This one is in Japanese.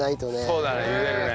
そうだね茹でるね。